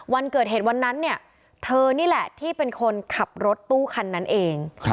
วันเกิดเหตุวันนั้นเนี่ยเธอนี่แหละที่เป็นคนขับรถตู้คันนั้นเอง